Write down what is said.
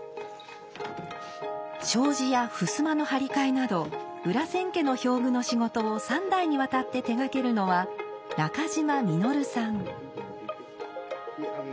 障子やふすまの張り替えなど裏千家の表具の仕事を三代にわたって手がけるのは中島實さん。